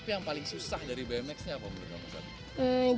yang paling susah dari bmx nya apa menurut kamu